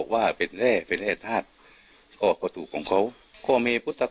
แล้วท่านผู้ชมครับบอกว่าตามความเชื่อขายใต้ตัวนะครับ